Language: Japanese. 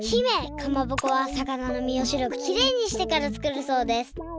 かまぼこは魚の身を白くきれいにしてからつくるそうです！